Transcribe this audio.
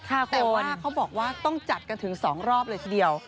แต่ว่าเขาบอกว่าต้องจัดกันถึง๒รอบเลยทีเดียว